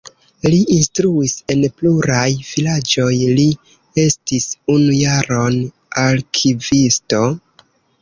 Li instruis en pluraj vilaĝoj, li estis unu jaron arkivisto.